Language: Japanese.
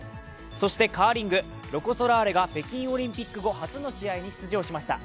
そしてカーリング、ロコ・ソラーレが北京オリンピック後初の試合に出場しました。